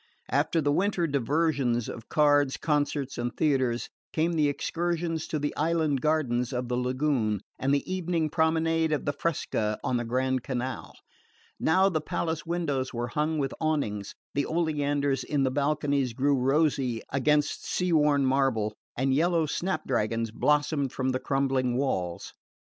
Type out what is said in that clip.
After the winter diversions of cards, concerts and theatres, came the excursions to the island gardens of the lagoon and the evening promenade of the fresca on the Grand Canal. Now the palace windows were hung with awnings, the oleanders in the balconies grew rosy against the sea worn marble, and yellow snap dragons blossomed from the crumbling walls.